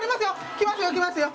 きますよきますよ！